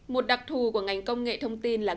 một đặc thù của ngành công nghệ thông tin là